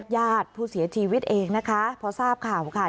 ญาติผู้เสียชีวิตเองนะคะพอทราบข่าวค่ะ